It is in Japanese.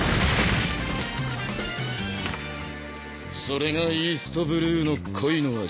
それがイーストブルーの恋の味